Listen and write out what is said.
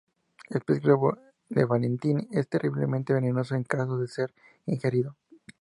El pez globo de Valentini es terriblemente venenoso en caso de ser ingerido.